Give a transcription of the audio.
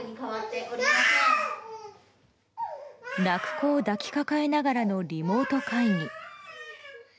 泣く子を抱きかかえながらのリモート会議。